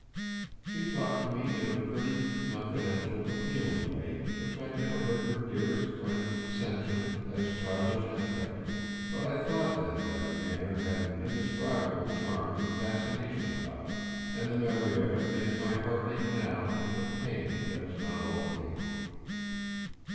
She talked to me in a pretty, confidential, appealing way, which I have heard her dearest friends censure as childish and affected; but I thought then that her manner had an indescribable charm and fascination about it, and the memory of it makes my heart ache now with a pang that is not all pain.